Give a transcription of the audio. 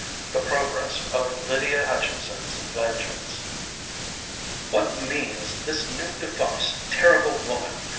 THE PROGRESS OF LYDIA HUTCHINSON'S VENGEANCE. "What means this new device, terrible woman?"